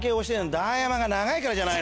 ダヤマが長いからじゃないの？